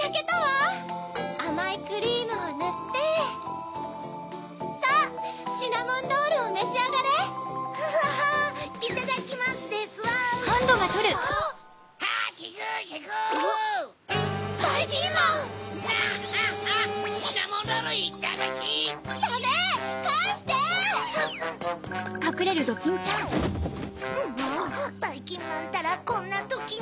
もうばいきんまんったらこんなときに。